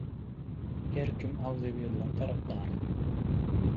Her kim agzybirligiň tarapdary